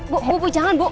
bu bu jangan bu